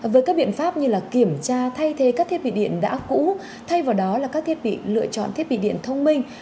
với các biện pháp như kiểm tra thay thế các thiết bị điện đã cũ thay vào đó là các thiết bị lựa chọn thiết bị điện thông minh